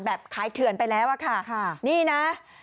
แบบขายเฉินไปแล้วอะค่ะนี่นะ